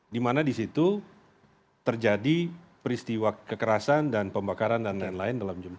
dimana di situ terjadi peristiwa kekerasan dan pembakaran dan lain lain